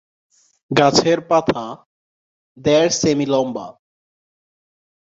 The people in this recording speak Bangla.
গাছের পাতা দেড় সেমি লম্বা।